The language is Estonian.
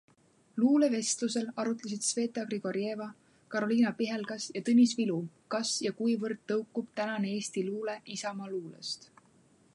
Luulevestlusel arutlesid Sveta Grigorjeva, Carolina Pihelgas ja Tõnis Vilu, kas ja kuivõrd tõukub tänane eesti luule isamaaluulest.